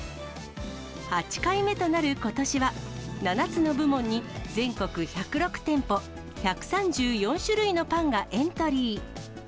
８回目となることしは、７つの部門に全国１０６店舗１３４種類のパンがエントリー。